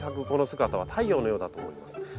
この姿は太陽のようだと思います。